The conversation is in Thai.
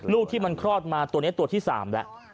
ลูกที่มันคลอดมาตัวนี้ตัวที่๓แล้ว